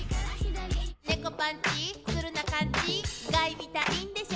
「猫パンチ？するな勘違い見たいんでしょ？